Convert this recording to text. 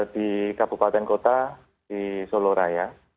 di kabupaten kota di solo raya